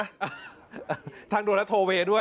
อ่าทั้งด่วนและโทเวด้วย